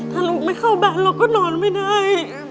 ถ้าลูกไม่เข้าบ้านเราก็นอนไม่ได้